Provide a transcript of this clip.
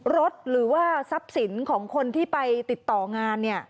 หรือว่าทรัพย์สินของคนที่ไปติดต่องานเนี่ย